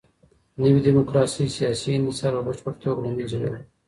نوي ډيموکراسۍ سياسي انحصار په بشپړه توګه له منځه يووړ.